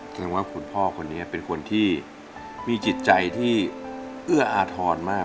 แสดงว่าคุณพ่อคนนี้เป็นคนที่มีจิตใจที่เอื้ออาทรมาก